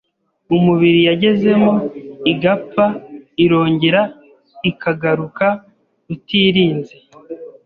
umubiri yagezemo igapfa irongera ikagaruka utirinze